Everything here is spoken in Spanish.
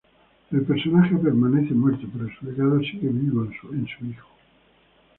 El personaje permanece muerto, pero su legado sigue vivo en su hijo.